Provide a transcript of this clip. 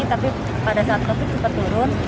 tapi pada saat covid sembilan belas cepat turun